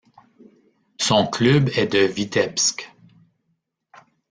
Son club est de Vitebsk.